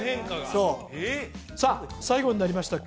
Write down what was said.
そうさあ最後になりました